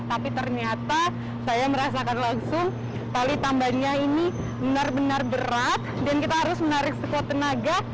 tapi ternyata saya merasakan langsung tali tambangnya ini benar benar berat dan kita harus menarik sekuat tenaga